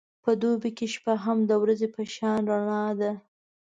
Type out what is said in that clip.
په دوبی کې شپه هم د ورځې په شان رڼا ده.